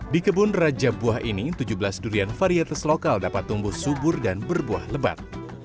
di kebun raja buah ini tujuh belas durian varietes lokal dapat tumbuh subur dan berbuah lebat